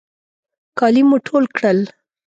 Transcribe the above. کالي مو ټول کړل.